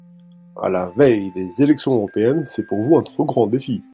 À la veille des élections européennes, c’est pour vous un trop grand défi.